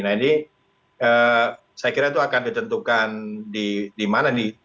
nah ini saya kira itu akan ditentukan di mana nih